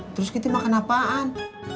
terus kita makan apaan